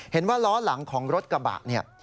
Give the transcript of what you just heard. เห็นว่าล้อหลังของรถกระบะเนี่ย